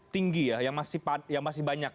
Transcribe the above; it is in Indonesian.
tinggi ya yang masih banyak